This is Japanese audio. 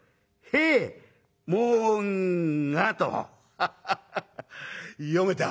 ハハハハッ読めた」。